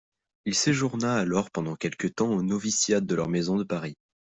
Il séjourna alors pendant quelque temps au noviciat de leur maison de Paris.